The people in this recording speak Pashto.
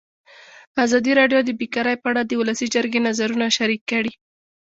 ازادي راډیو د بیکاري په اړه د ولسي جرګې نظرونه شریک کړي.